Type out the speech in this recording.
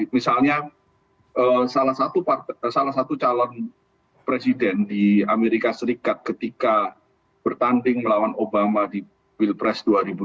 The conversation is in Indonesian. misalnya salah satu calon presiden di amerika serikat ketika bertanding melawan obama di pilpres dua ribu dua puluh